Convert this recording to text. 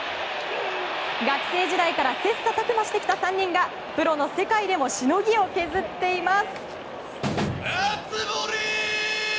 学生時代から切磋琢磨してきた３人がプロの世界でもしのぎを削っています。